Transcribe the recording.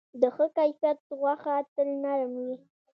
د ښه کیفیت غوښه تل نرم وي.